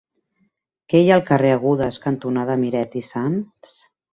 Què hi ha al carrer Agudes cantonada Miret i Sans?